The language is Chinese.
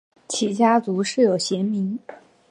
其家族世有贤名。